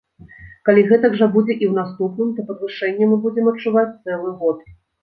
Калі гэтак жа будзе і ў наступным, то падвышэнне мы будзем адчуваць цэлы год.